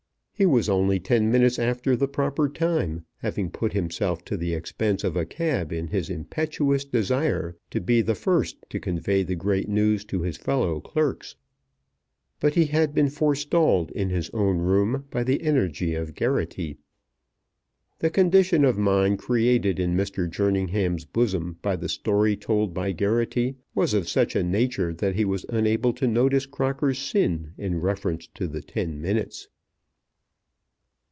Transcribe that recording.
He was only ten minutes after the proper time, having put himself to the expense of a cab in his impetuous desire to be the first to convey the great news to his fellow clerks. But he had been forestalled in his own room by the energy of Geraghty. The condition of mind created in Mr. Jerningham's bosom by the story told by Geraghty was of such a nature that he was unable to notice Crocker's sin in reference to the ten minutes.